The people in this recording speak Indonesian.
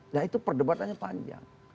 nah itu perdebatannya panjang